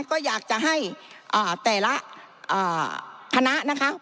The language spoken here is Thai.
ก็อยากจะให้แต่ละคณะนะคะ